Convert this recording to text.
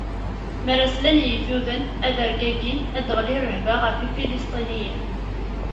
Mi ara slen yegduden, ad rgagin, ad d-teɣli rrehba ɣef Ifilistiyen.